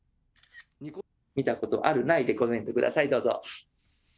見たことある、ないでコメントください、どうぞ。